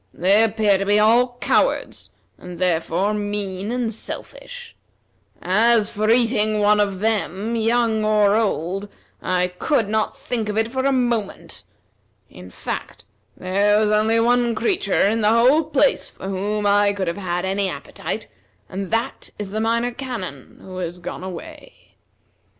They appear to be all cowards, and, therefore, mean and selfish. As for eating one of them, old or young, I could not think of it for a moment. In fact, there was only one creature in the whole place for whom I could have had any appetite, and that is the Minor Canon, who has gone away.